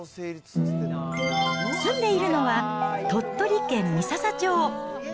住んでいるのは、鳥取県三朝町。